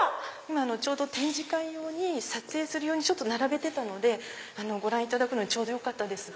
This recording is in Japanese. ちょうど展示会用に撮影する用に並べてたのでご覧いただくのにちょうどよかったんです。